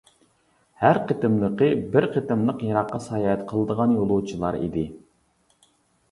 ھەر قېتىملىقى بىر قېتىملىق يىراققا ساياھەت قىلىدىغان يولۇچىلار ئىدى.